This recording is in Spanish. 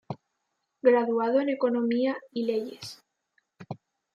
Graduado en economía y leyes.